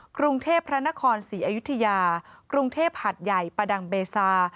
กรุงเทพพระนครศรีอยุธยากรุงเทพหัดใหญ่ประดังเบซา